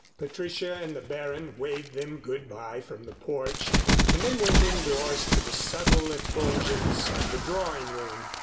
Patricia and the Baron waved them good by from the porch and then went indoors to the subtle effulgence of the drawing room.